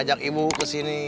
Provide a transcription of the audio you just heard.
ajak ibu kesini